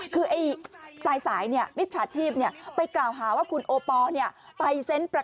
คือปลายสายนี่วิชาชีพนี่ไปกล่าวหาว่าคุณโอปอล์